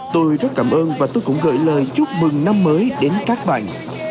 tôi rất cảm ơn và tôi cũng gửi lời chúc mừng năm mới đến các bạn